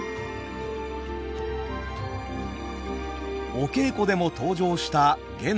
お稽古でも登場した源太。